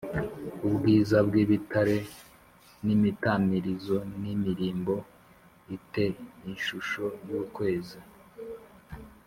ubwiza bw ibitare n imitamirizo n imirimbo i te ishusho y ukwezi